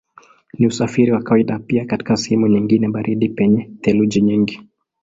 Ni usafiri wa kawaida pia katika sehemu nyingine baridi penye theluji nyingi.